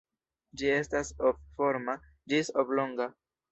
Ĝi estas ov-forma ĝis oblonga.